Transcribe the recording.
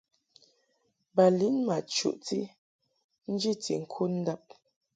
Ba lin ma chuʼti njiti ŋkud ndab.